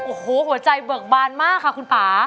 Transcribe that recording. โอ้โหหัวใจเบิกบานมากค่ะคุณป่า